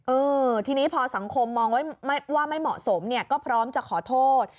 อือทีนี้พอสังคมมองว่าไม่เหมาะสมก็พร้อมจะขอโทษ